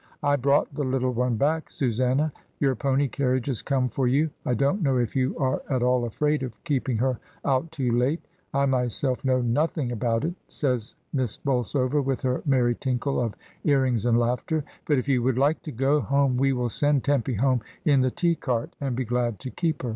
"I brought the little one back, Susanna. Your pony carriage is come for you. I don't know if you are at all afraid of keep ing her out too late; I myself know nothing about it," says Miss Bolsover, with her merry tinkle of ear rings and laughter; "but if you would like to go home we will send Tempy home in the T cart and be glad to keep her."